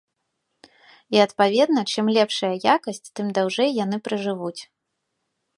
І, адпаведна, чым лепшая якасць, тым даўжэй яны пражывуць.